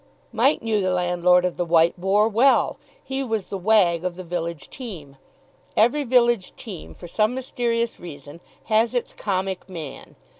Mike knew the landlord of the "White Boar" well; he was the wag of the village team. Every village team, for some mysterious reason, has its comic man.